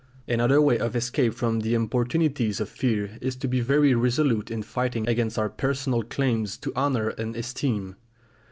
Another way of escape from the importunities of fear is to be very resolute in fighting against our personal claims to honour and esteem.